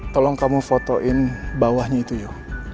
tolong kamu fotoin bawahnya itu yuk